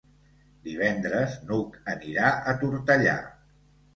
Divendres n'Hug anirà a Tortellà.